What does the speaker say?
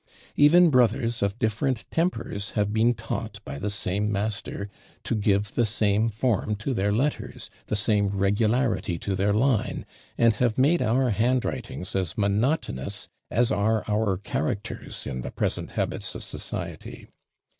Even brothers of different tempers have been taught by the same master to give the same form to their letters, the same regularity to their line, and have made our handwritings as monotonous as are our characters in the present habits of society.